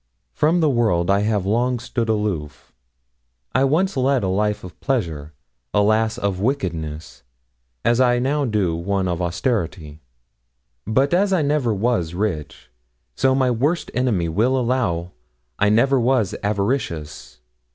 From the world I have long stood aloof. I once led a life of pleasure alas! of wickedness as I now do one of austerity; but as I never was rich, so my worst enemy will allow I never was avaricious.